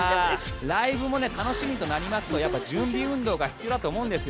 ライブも楽しみとなりますと準備運動が必要だと思うんです。